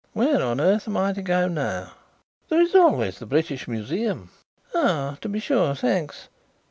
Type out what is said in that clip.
"Where on earth am I to go now?" "There is always the British Museum." "Ah, to be sure, thanks.